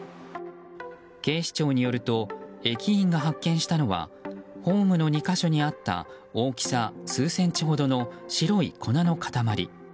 警視庁によると駅員が発見したのはホームの２か所にあった大きさ数センチほどの白い粉の塊。